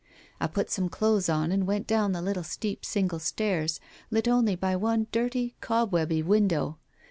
I put some clothes on and went down the little steep single stairs, lit only by one dirty, cobwebby window.